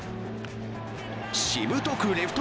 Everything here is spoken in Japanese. しぶとくレフト